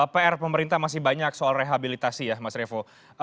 pr pemerintah masih banyak soal rehabilitasi ya mas revo